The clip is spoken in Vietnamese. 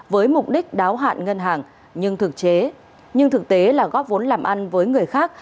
với mục đích đáo hạn ngân hàng nhưng thực tế là góp vốn làm ăn với người khác